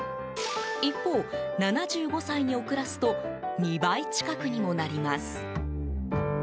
一方、７５歳に遅らすと２倍近くにもなります。